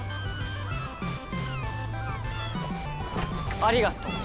ありがとう。